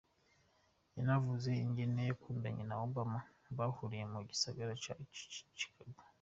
Yanavuze n'ingene bakundanye na Obama bahuriye mu gisagara ca Chicago.